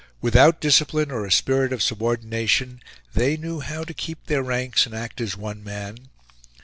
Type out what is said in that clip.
Without discipline or a spirit of subordination, they knew how to keep their ranks and act as one man.